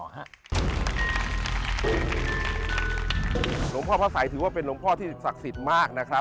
หลวงพ่อพระสัยถือว่าเป็นหลวงพ่อที่ศักดิ์สิทธิ์มากนะครับ